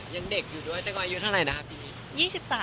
ยังเด็กอยู่ด้วยตัวเองอายุเท่าไหร่นะครับปีนี้